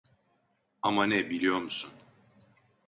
Ama ne biliyor musun?